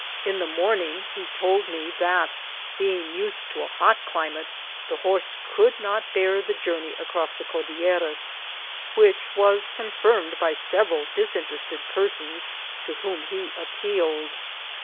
In the morning he told me that, being used to a hot climate, the horse could not bear the journey across the Cordilleras, which was con firmed by several disinterested persons to whom he ap pealed.